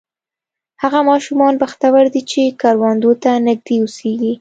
هغه ماشومان بختور دي چې کروندو ته نږدې اوسېږي.